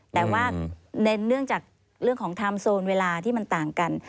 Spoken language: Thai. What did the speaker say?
แต่ว่าในเนื่องจากเรื่องของไทม์โซนเวลาที่มันต่างกัน